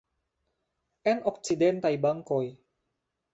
En okcidentaj bankoj.